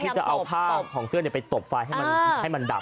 จะเอาผ้าของเสื้อไปตบไฟให้มันดับ